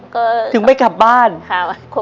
เขาบอก